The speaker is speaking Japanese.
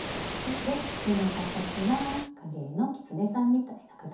手の形が影絵のキツネさんみたいな形。